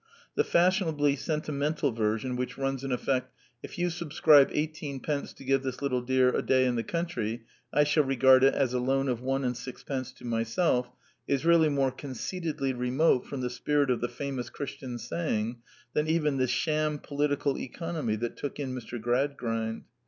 The fash ionably sentimental version, which runs, in effect, " If you subscribe eighteenpence to give this little dear a day in the country I shall regard it as a loan of one ahd sixpence to myself " is really more conceitedly remote from the spirit of the famous Christian saying than even the sham political economy that took in Mr. Gradgrind.